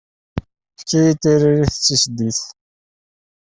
Efk-iyi-d tiririt d tiseddit.